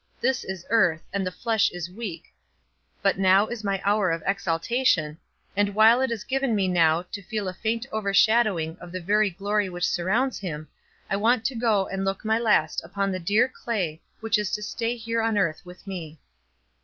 This is earth, and the flesh is weak; but now is my hour of exaltation and while it is given me now to feel a faint overshadowing of the very glory which surrounds him, I want to go and look my last upon the dear clay which is to stay here on earth with me."